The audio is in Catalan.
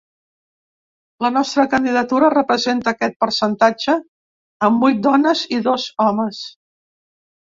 La nostra candidatura representa aquest percentatge amb vuit dones i dos homes.